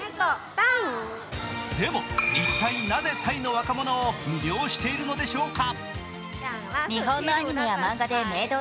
でも、一体なぜタイの若者を魅了しているのでしょうか。